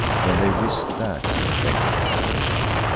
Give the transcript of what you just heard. When they wist that they were glad.